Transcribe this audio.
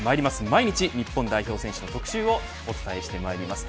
毎日、日本代表選手の特集をお伝えしてまいります。